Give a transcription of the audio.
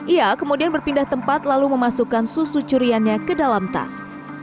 ia kemudian berpindah tempat lalu memasukkan susu curiannya ke dalam tas